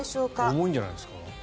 重いんじゃないですか？